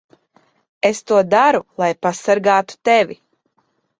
Es to daru, lai pasargātu tevi.